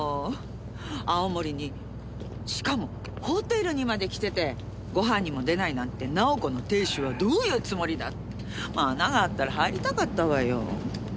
青森にしかもホテルにまで来ててご飯にも出ないなんて直子の亭主はどういうつもりだ！？って穴があったら入りたかったわよ。